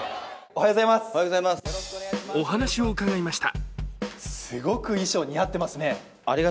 お話をうかがいました。